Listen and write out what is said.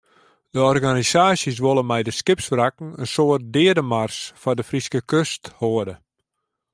De organisaasjes wolle mei de skipswrakken in soart deademars foar de Fryske kust hâlde.